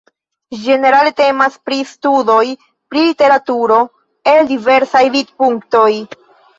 Ĝenerale temas pri studoj pri literaturo el diversaj vidpunktoj.